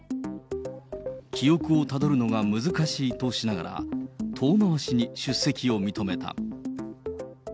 記憶をたどるのが難しいとしながら、遠回しに出席を認めた。